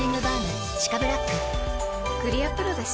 クリアプロだＣ。